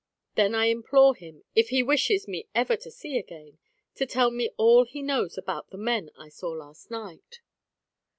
Then I implore him, if he wishes me ever to see again, to tell me all he knows about the men I saw last night.